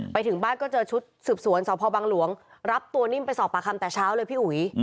ไปถึงบ้านก็เจอชุดสืบสวนสพบังหลวงรับตัวนิ่มไปสอบปากคำแต่เช้าเลยพี่อุ๋ย